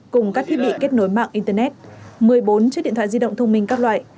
cùng các thiết bị kết nối mạng internet một mươi bốn chiếc điện thoại di động thông minh các loại